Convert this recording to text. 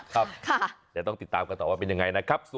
ครับเดี๋ยวต้องติดตามกันต่อว่าเป็นยังไงนะครับ